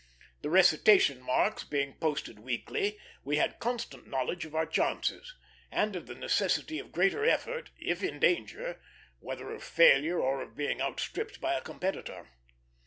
The recitation marks being posted weekly, we had constant knowledge of our chances; and of the necessity of greater effort, if in danger, whether of failure or of being outstripped by a competitor.